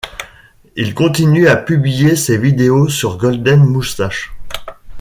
Il continue à publier ses vidéos sur Golden Moustache.